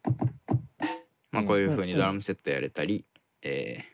こういうふうにドラムセットやれたり。